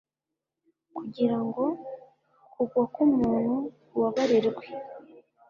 kugira ngo kugwa k’umuntu kubabarirwe.